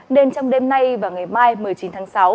nên trong đêm nay và ngày mai một mươi chín tháng sáu